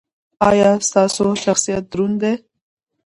ایا ستاسو شخصیت دروند دی؟